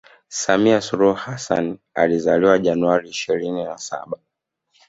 Samia suluhu Hassan alizaliwa January ishirini na saba